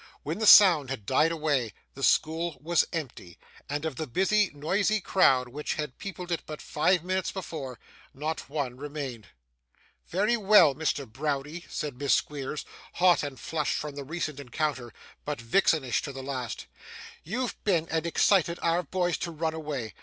When the sound had died away, the school was empty; and of the busy noisy crowd which had peopled it but five minutes before, not one remained. 'Very well, Mr. Browdie!' said Miss Squeers, hot and flushed from the recent encounter, but vixenish to the last; 'you've been and excited our boys to run away.